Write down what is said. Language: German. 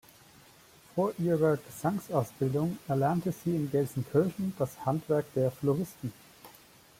Vor ihrer Gesangsausbildung erlernte sie in Gelsenkirchen das Handwerk der Floristen.